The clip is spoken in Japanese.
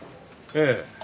ええ。